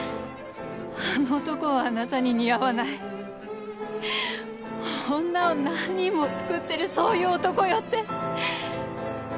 あの男はあなたに似合わない女を何人も作ってるそういう男よって。